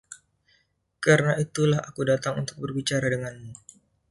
Karena itulah aku datang untuk berbicara denganmu.